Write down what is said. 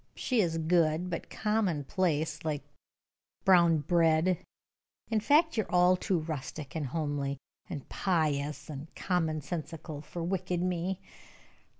She is good, but commonplace, like brown bread. In fact, you are all too rustic, and homely, and pious, and common sensical for wicked me.